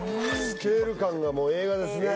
スケール感がもう映画ですね